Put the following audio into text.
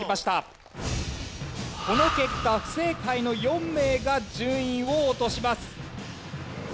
この結果不正解の４名が順位を落とします。